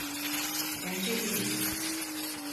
Bence iyi.